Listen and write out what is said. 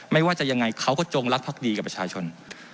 ไม่ว่าจะยังไงเขาก็จงรักภักดีกับประชาชน